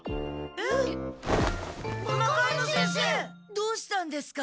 どうしたんですか？